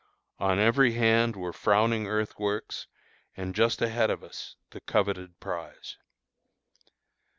On every hand were frowning earthworks, and just ahead of us the coveted prize.